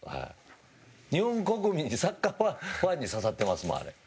日本国民に、サッカーファンに刺さってますもん、あれ。